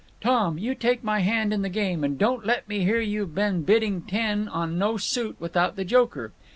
"Tom, you take my hand in the game, and don't let me hear you've been bidding ten on no suit without the joker."